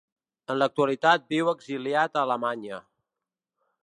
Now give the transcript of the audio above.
En l'actualitat viu exiliat a Alemanya.